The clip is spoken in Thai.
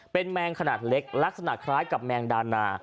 เป็นแมงขนาดเล็กลักษณะคล้ายกับแมงดานา